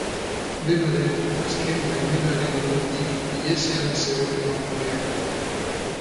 Dena den, azken baimenaren ondotik ihesean zegoen emakumea.